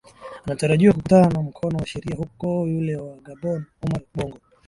anatarajiwa kukutana na mkono wa sheria huku yule wa gabon omar bongo